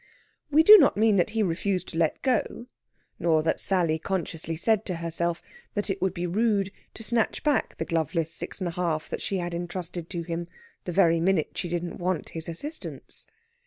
We do not mean that he refused to let go, nor that Sally consciously said to herself that it would be rude to snatch back the gloveless six and a half that she had entrusted to him, the very minute she didn't want his assistance.